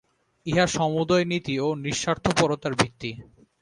ইহা সমুদয় নীতি ও নিঃস্বার্থপরতার ভিত্তি।